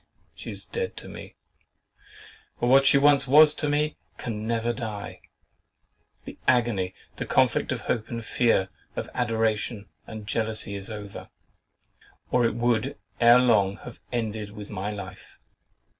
She is dead to me; but what she once was to me, can never die! The agony, the conflict of hope and fear, of adoration and jealousy is over; or it would, ere long, have ended with my life.